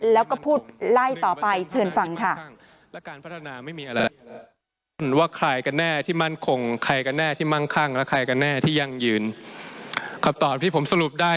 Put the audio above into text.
แล้วก็พูดไล่ต่อไปเชิญฟังค่ะ